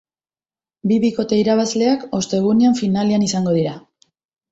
Bi bikote irabazleak ostegunean finalean izango dira.